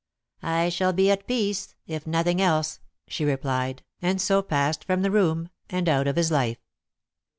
"I shall be at peace, if nothing else," she replied, and so passed from the room, and out of his life.